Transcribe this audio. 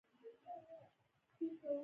هر هغه څه باید کاملاً متعالي وي.